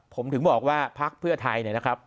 ผมถึงบอกว่าภาคเพื่อไทย